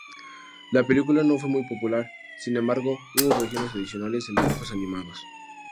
La película no fue muy popular, sin embargo hubo versiones adicionales en dibujos animados.